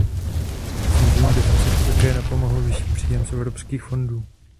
Snížení deficitu také napomohl vyšší příjem z evropských fondů.